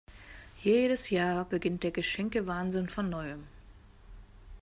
Jedes Jahr beginnt der Geschenke-Wahnsinn von Neuem.